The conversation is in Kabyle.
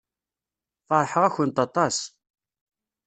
Feṛḥeɣ-akent aṭas.